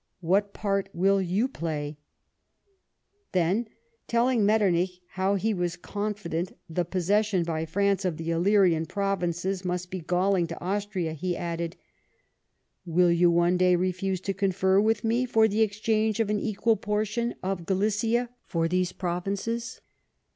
What part will you play ?" Then, telling Metternich how, he was confident, the possession by France of the Illyrian provinces must be galling to Austria, he added :" Will you one day refuse to confer with me for the exchange of an: equal portion of Galicia for those provinces?